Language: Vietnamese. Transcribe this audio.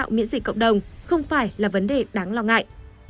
miễn dịch cộng đồng không phải là vấn đề đáng lo ngại